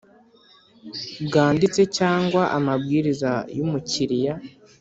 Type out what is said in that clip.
Bwanditse cyangwa amabwiriza y umukiriya